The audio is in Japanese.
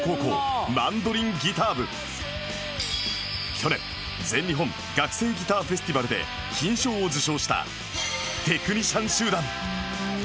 去年全日本学生ギターフェスティバルで金賞を受賞した